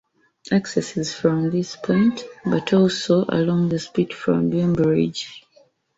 Access is from this point, but also along the spit from Bembridge.